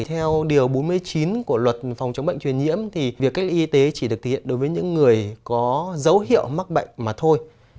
theo điều bốn mươi chín của luật phòng chống bệnh truyền nhiễm thì việc cách ly y tế chỉ được thể hiện đối với những người có dấu hiệu mắc bệnh mà thôi